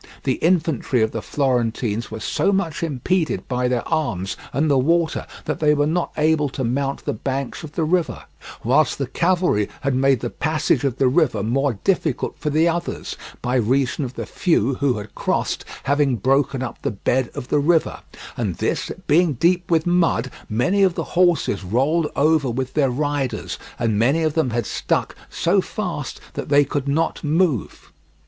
The infantry of the Florentines were so much impeded by their arms and the water that they were not able to mount the banks of the river, whilst the cavalry had made the passage of the river more difficult for the others, by reason of the few who had crossed having broken up the bed of the river, and this being deep with mud, many of the horses rolled over with their riders and many of them had stuck so fast that they could not move.